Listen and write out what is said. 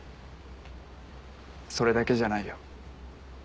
それだけじゃないよ。